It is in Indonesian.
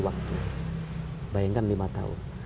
waktu bayangkan lima tahun